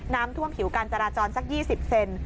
น้ำท่วมผิวการจราจรสัก๒๐เซน